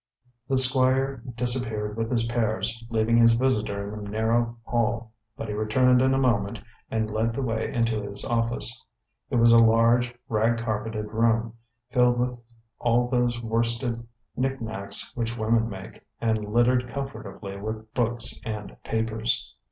The squire disappeared with his pears, leaving his visitor in the narrow hall; but he returned in a moment and led the way into his office. It was a large, rag carpeted room, filled with all those worsted knickknacks which women make, and littered comfortably with books and papers.